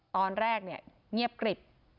ตอนแรกเนี่ยเงียบกริบ